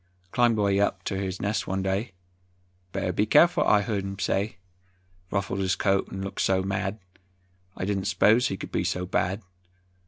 Climbed way up ter his nest one day, "Better be careful," I heard him say; Ruffled his coat 'n looked so mad, I didn't 'spose he could be so bad.